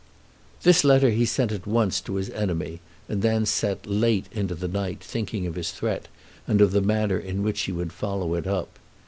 This letter he sent at once to his enemy, and then sat late into the night thinking of his threat and of the manner in which he would follow it up.